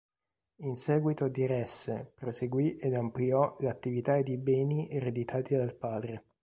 In seguito diresse, proseguì ed ampliò l'attività ed i beni ereditati dal padre.